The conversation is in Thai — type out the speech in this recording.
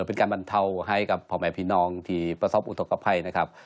มีการบรรเทาให้กับพ่อแม่พี่น้องที่ประสอบอุตกภัย